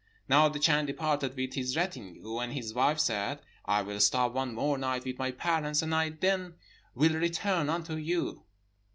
Now the Chan departed with his retinue, and his wife said, 'I will stop one more night with my parents, and then I will return unto you.'